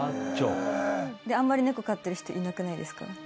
あんまり猫飼ってる人いなくないですか？